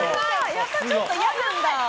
やっぱりちょっと嫌なんだ。